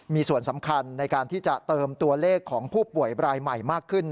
มีส่วนสำคัญในการที่จะเติมตัวเลขของผู้ป่วยรายใหม่มากขึ้น